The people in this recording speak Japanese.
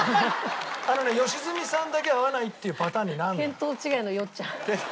あのね良純さんだけ合わないっていうパターンになるのよ。